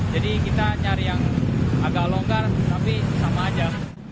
jadi kita cari yang agak longgar tapi sama aja